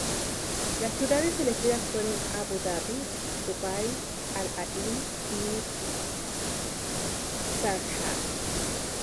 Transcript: Las ciudades elegidas fueron Abu Dhabi, Dubái, Al Ain y Sharjah.